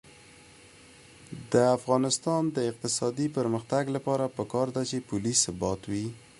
د افغانستان د اقتصادي پرمختګ لپاره پکار ده چې پولي ثبات وي.